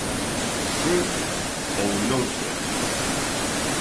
Ser ou non ser.